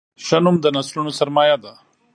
ښه نوم د نسلونو سرمایه ده.